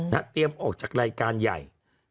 เตรียมออกจากรายการใหญ่